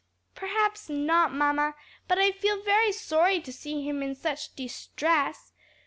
"Perhaps not, mamma; but I feel very sorry to see him in such distress.